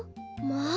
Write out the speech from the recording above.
まあ！